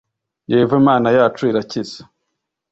yehova imana yacu irakiza.